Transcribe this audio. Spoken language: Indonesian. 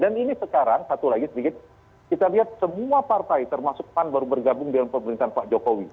dan ini sekarang satu lagi sedikit kita lihat semua partai termasuk pan baru bergabung dengan pemerintahan pak jokowi